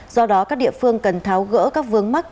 do đó các địa phương cần tháo gỡ các vướng mắt